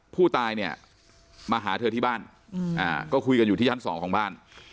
ผู้ตายเนี่ยมาหาเธอที่บ้านก็คุยกันอยู่ที่ชั้น๒ของบ้าน